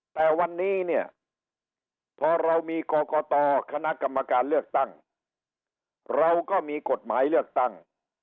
แต่วันนี้เนี่ยพอเรามีกรกตคณะกรรมการเลือกตั้งเราก็มีกฎหมายเลือกตั้ง